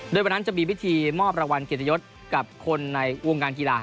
โดยวันนั้นจะมีพิธีมอบรางวัลเกียรติยศกับคนในวงการกีฬา